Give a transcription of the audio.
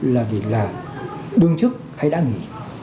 là gì là đương chức hay đã nghỉ